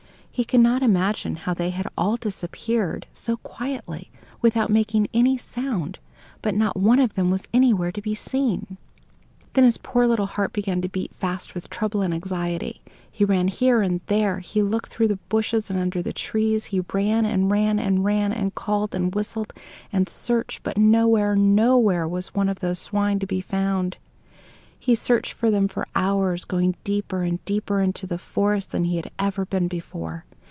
He could not imagine how they had all disappeared so quietly, without making any sound; but not one of them was anywhere to be seen. Then his poor little heart began to beat fast with trouble and anxiety. He ran here and there; he looked through the bushes and under the trees; he ran, and ran, and ran, and called and whistled, and searched; but nowhere nowhere was one of those swine to be found! He searched for them for hours, going deeper and deeper into the forest than he had ever been before.